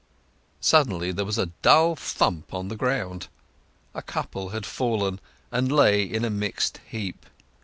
Suddenly there was a dull thump on the ground: a couple had fallen, and lay in a mixed heap.